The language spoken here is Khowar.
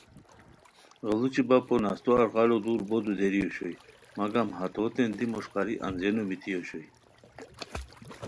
غیڑوچی بپو نستو اݱغالو دُور بو دودیری اوشوئے مگم ہتوتین دی مݰقاری انځئینو بیتی اوشوئے